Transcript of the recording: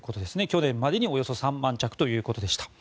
去年までにおよそ３万着ということでした。